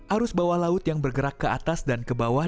arus bawah laut yang bergerak ke atas dan ke bawah